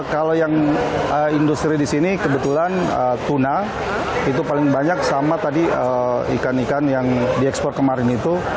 kalau yang industri di sini kebetulan tuna itu paling banyak sama tadi ikan ikan yang diekspor kemarin itu